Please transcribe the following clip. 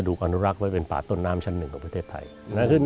ดูการรักไว้เป็นป่าต้นน้ำชั้นหนึ่งของประเทศไทยอืม